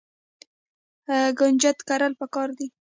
کنجد کرل پکار دي.